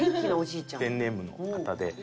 ペンネームの方で。